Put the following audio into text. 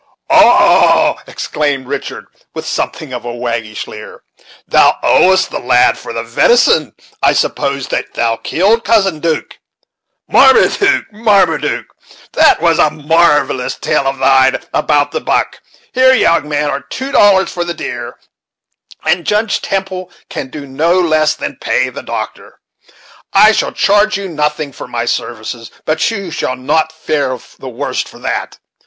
"Oh!" exclaimed Richard, with something of a waggish leer, "thou owest the lad for the venison, I suppose that thou killed, Cousin 'Duke! Marmaduke! Marmaduke! That was a marvellous tale of thine about the buck! Here, young man, are two dollars for the deer, and Judge Temple can do no less than pay the doctor. I shall charge you nothing for my services, but you shall not fare the worst for that.